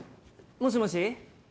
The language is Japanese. もしもし。